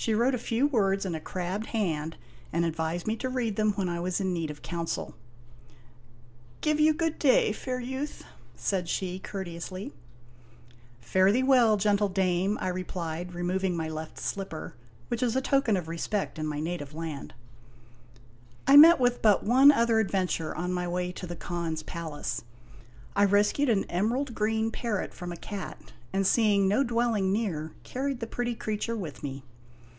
She wrote a few words in a crabbed hand, and advised me to read them when I was in need of counsel. " Give you good day, fair youth," said she, courteously. /?*' L ,.:>, I !&, fit P\A if, , ''.K 5i> I MniFC .. "'FARE THEE WELL, GENTLE DAME,' I REPLIED." " Fare thee well, gentle dame," I replied, removing my left slipper, which is a token of respect in my native land. I met with but one other adventure on my way to the Khan's palace. I rescued an emerald green parrot from a cat, and seeing no dwelling near carried the pretty creature with me.